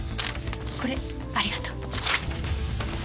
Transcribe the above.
これありがとう。